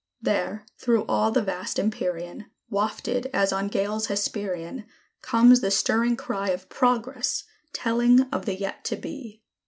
There, through all the vast Empyrean, Wafted, as on gales Hesperian, Comes the stirring cry of "Progress"! telling of the yet to be.